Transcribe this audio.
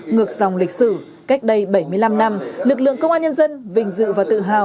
ngược dòng lịch sử cách đây bảy mươi năm năm lực lượng công an nhân dân vinh dự và tự hào